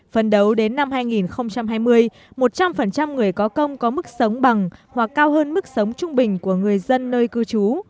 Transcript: phần đầu đến năm hai nghìn hai mươi một trăm linh người có công có mức sống bằng hoặc cao hơn mức sống trung bình của người dân nơi cư trú